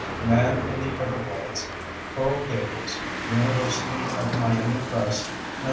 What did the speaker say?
Man in the Everglades. Coral Gables: University of Miami Press, 1968.